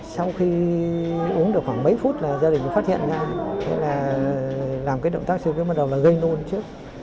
sau khi uống được khoảng mấy phút là gia đình phát hiện ra thế là làm cái động tác sơ cứu ban đầu là gây nôn trước